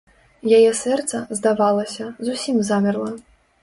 Яе сэрца, здавалася, зусім замерла.